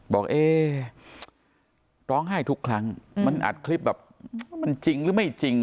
บอกเอ๊ร้องไห้ทุกครั้งมันอัดคลิปแบบมันจริงหรือไม่จริง